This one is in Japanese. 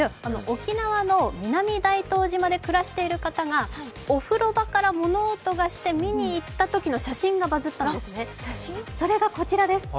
沖縄の南大東島で暮らしている方がお風呂場から物音がして見に行ったときの写真がバズったんですね。